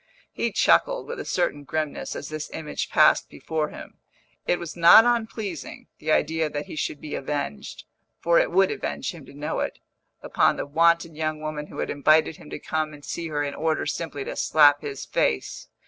He chuckled, with a certain grimness, as this image passed before him; it was not unpleasing, the idea that he should be avenged (for it would avenge him to know it) upon the wanton young woman who had invited him to come and see her in order simply to slap his face.